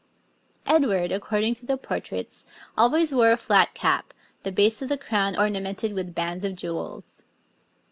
Edward, according to the portraits, always wore a flat cap, the base of the crown ornamented with bands of jewels.